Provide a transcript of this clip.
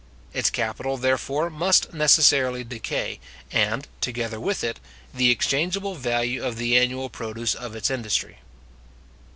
Its capital, therefore, must necessarily decay, and, together with it, the exchangeable value of the annual produce of its industry.